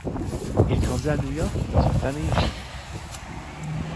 Il grandit à New York dans une famille juive.